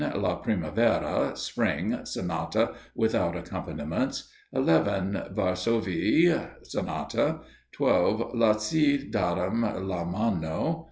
"La Primavera," (Spring), Sonata, without accompaniments. 11. "Varsovie," Sonata. 12. La ci darem la mano.